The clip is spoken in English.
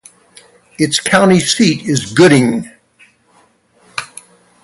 Its county seat is Gooding.